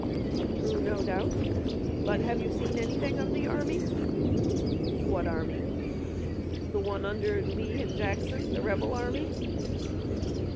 "True, no doubt, but have you seen anything of the army?" "What army?" "The one under Lee and Jackson, the rebel army."